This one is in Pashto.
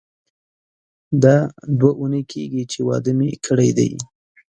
دا دوه اونۍ کیږي چې واده مې کړی دی.